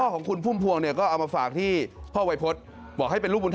มีนักร้องลูกทุ่งดังมากมายเนี่ยผ่านการปลูกปั้นมาจากพ่อวัยพจน์เพชรสุพรณนะฮะ